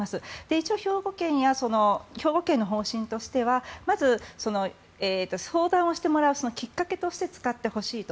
一応、兵庫県の方針としてはまず、相談をしてもらうきっかけとして使ってほしいと。